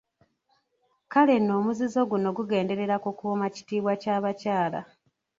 Kale nno omuzizo guno gugenderera kukuuma kitiibwa kya bakyala.